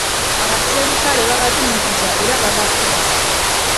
Abaserikale babatuntuza era babakuba.